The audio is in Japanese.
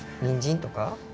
にんじんとか？